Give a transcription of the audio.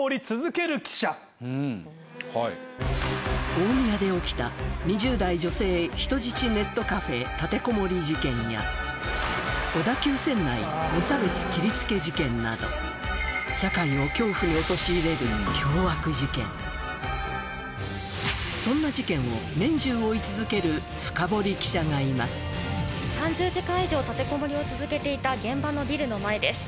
大宮で起きた２０代女性人質ネットカフェ立てこもり事件や小田急線内無差別切りつけ事件などそんな事件を年中追い続けるフカボリ記者がいます３０時間以上立てこもりを続けていた現場のビルの前です。